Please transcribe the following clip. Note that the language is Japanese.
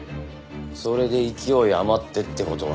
それで勢い余ってって事は？